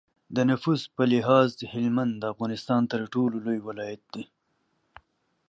د نفوس په لحاظ هلمند د افغانستان تر ټولو لوی ولایت دی.